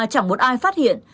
chẳng muốn ai phát hiện